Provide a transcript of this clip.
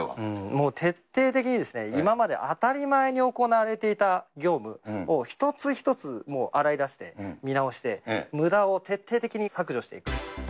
もう徹底的に今まで当たり前に行われていた業務を一つ一つもう洗い出して、見直して、むだを徹底的に削除していく。